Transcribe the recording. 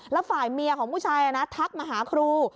แล้วฝ่ายเมียของผู้ชายนะทักมาหาครู